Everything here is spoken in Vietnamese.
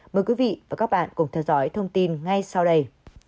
mời quý vị và các bạn cùng theo dõi thông tin ngay sau đây